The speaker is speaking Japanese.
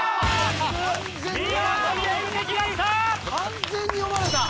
完全に読まれた。